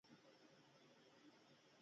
د تخار په فرخار کې د قیمتي ډبرو نښې دي.